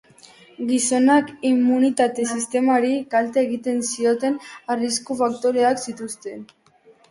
Gizonak inmunitate sistemari kalte egiten zioten arrisku faktoreak zituen.